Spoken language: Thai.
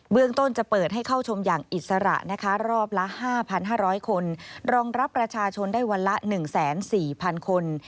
เรื่องต้นจะเปิดให้เข้าชมอย่างอิสระนะคะรอบละ๕๕๐๐คนรองรับประชาชนได้วันละ๑๔๐๐๐คน